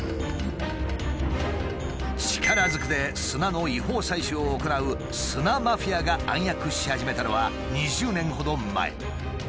力ずくで砂の違法採取を行う砂マフィアが暗躍し始めたのは２０年ほど前。